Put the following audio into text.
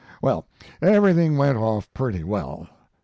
"Well, everything went off pretty well.